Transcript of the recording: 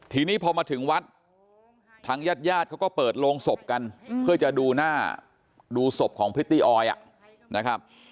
ทีนี้พอมาถึงวัดทางญาติญาติเขาก็เปิดโรงศพกันเพื่อจะดูหน้าดูศพของพริตตี้ออยนะครับ